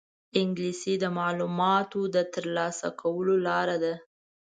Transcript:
انګلیسي د معلوماتو د ترلاسه کولو لاره ده